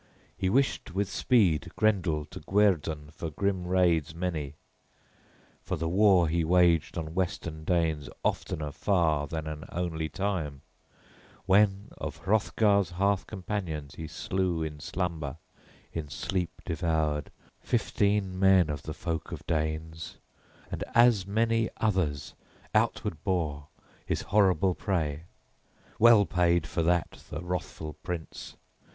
He wished with speed Grendel to guerdon for grim raids many, for the war he waged on Western Danes oftener far than an only time, when of Hrothgar's hearth companions he slew in slumber, in sleep devoured, fifteen men of the folk of Danes, and as many others outward bore, his horrible prey. Well paid for that the wrathful prince!